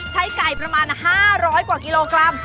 ไก่ประมาณ๕๐๐กว่ากิโลกรัม